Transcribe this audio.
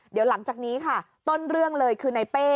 เดี๋ยวหลังจากนี้ค่ะต้นเรื่องเลยคือในเป้